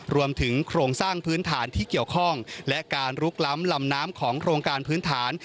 รวมถึงโครงสร้างพื้นฐานที่เกี่ยวข้องและการลุกล้ำลำน้ำของโครงการพื้นฐาน